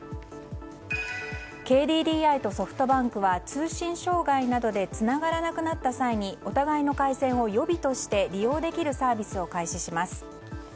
ＫＤＤＩとソフトバンクは通信障害などでつながらなくなった際にお互いの回線を予備として利用できるサービスを開始します。